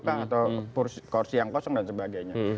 atau kursi yang kosong dan sebagainya